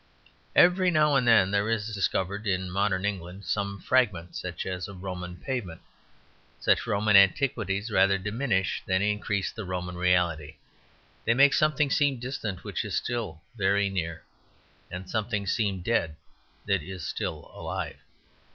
Every now and then there is discovered in modern England some fragment such as a Roman pavement. Such Roman antiquities rather diminish than increase the Roman reality. They make something seem distant which is still very near, and something seem dead that is still alive.